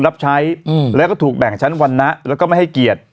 รับใช้แล้วก็ถูกแบ่งชั้นวรรณะแล้วก็ไม่ให้เกียรติ